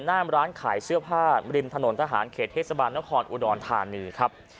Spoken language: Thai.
มร้านขายเสื้อผ้าริมถนนทหารเขตเทศบาลนครอุดรธานีครับ